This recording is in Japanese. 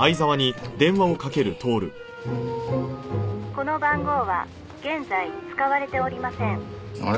「この番号は現在使われておりません」